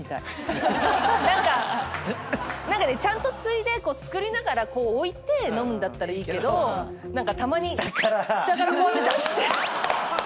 何か何かねちゃんとついで作りながらこう置いて飲むんだったらいいけど何かたまに下からこうやって出して。